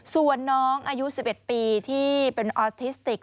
ส่วนน้องอายุ๑๑ปีที่เป็นออทิสติก